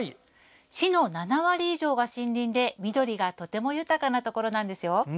市の７割以上が森林で、緑がとても豊かなところなんですよ。